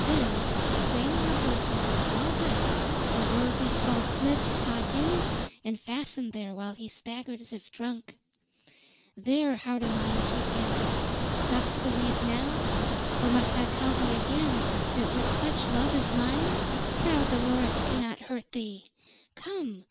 Then, straining upward from her small height, her rosy, false lips sought his and fastened there while he staggered as if drunk. "There, heart o' mine!" she panted. "Dost believe now? Or must I tell thee again that with such love as mine proud Dolores cannot hurt thee. Come!